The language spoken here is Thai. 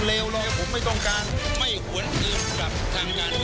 ไม่หวนอื่นกลับทางงานเรื่อง